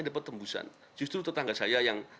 dapat tembusan justru tetangga saya yang